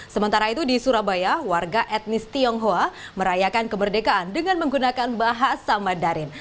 sementara itu di surabaya warga etnis tionghoa merayakan kemerdekaan dengan menggunakan bahasa madarin